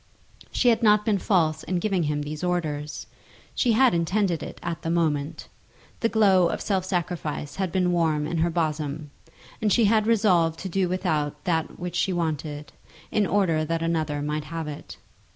She had not been false in giving him these orders. She had intended it at the moment. The glow of self sacrifice had been warm in her bosom, and she had resolved to do without that which she wanted in order that another might have it.